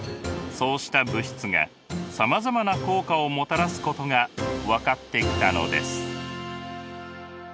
そうした物質がさまざまな効果をもたらすことが分かってきたのです。